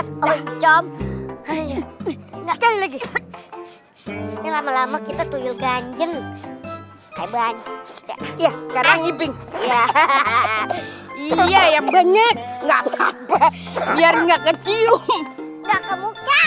sekali lagi kita tuyul ganjeng kayak banyak ya iya ya banget nggak apa apa biar nggak kecium